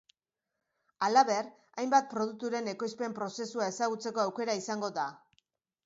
Halaber, hainbat produkturen ekoizpen prozesua ezagutzeko aukera izango da.